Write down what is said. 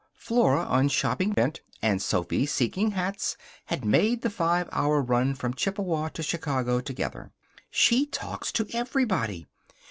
Flora, on shopping bent, and Sophy, seeking hats, had made the five hour run from Chippewa to Chicago together. "She talks to everybody.